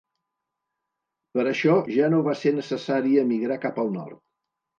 Per això ja no va ser necessari emigrar cap al nord.